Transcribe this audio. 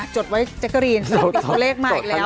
จดไว้แจ๊กกะรีนตัวเลขมาอีกแล้ว